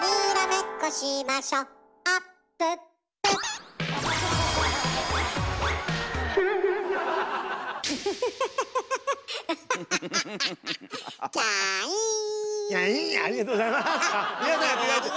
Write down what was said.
ありがとうございます。